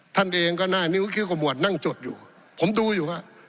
ท่านเองก็หน้านิ้วคิ้วขมวดนั่งจดอยู่ผมดูอยู่ว่า